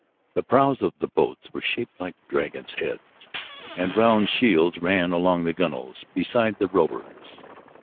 The prows of the boats were shaped like dragons' heads, and round shields ran along the gunwales beside the rowers.